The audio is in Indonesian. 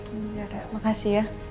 ya makasih ya